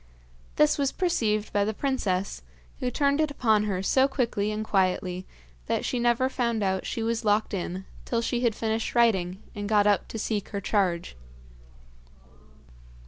This was perceived by the princess, who turned it upon her so quickly and quietly that she never found out she was locked in till she had finished writing, and got up to seek her charge.